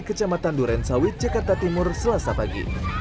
kecamatan durensawi jakarta timur selasa pagi